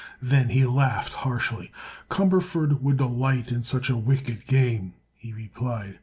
Then he laughed harshly. "Cumberford would delight in such a 'wicked' game," he replied.